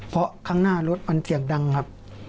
เพราะข้างหน้ารถมันเสียงดังครับ